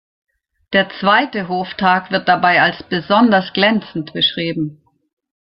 Der zweite Hoftag wird dabei als besonders glänzend beschrieben.